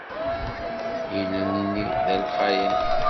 Ilel-nni d alqayan.